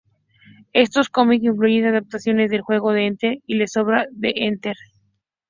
Estos cómics incluyen adaptaciones de "El juego de Ender" y "La sombra de Ender".